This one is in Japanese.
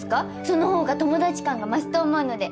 その方が友達感が増すと思うので。